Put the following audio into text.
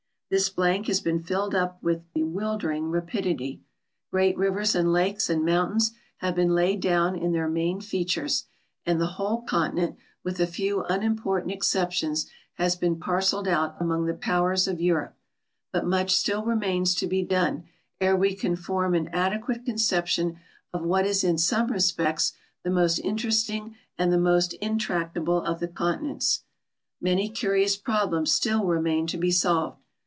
This blank has been filled up with bewildering raj)idity. Great rivers and lakes and mountains have been laid down in their main features, and the whole continent, with a few unimportant ex ceptions, has been parceled out among the powers of Europe; but much still remains to be done ere we can form an adeipiate conception of what is in some respects the most interesting and the most intractable of the continents. Many curious problems still remain to be solved.